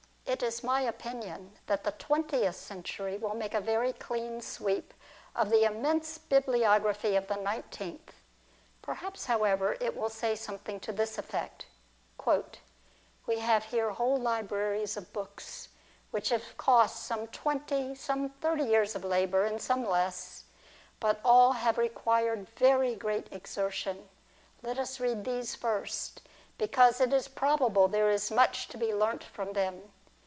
It is my opinion that the twentieth century will make a very clean sweep of the immense bibliography of the nineteenth. Perhaps however it will say something to this effect :" We have here whole libraries of books which have cost some twenty, some thirty years of labour, and some less, but all have required very great exertion ; let us read these first, because it is probable there is much to be learnt from them.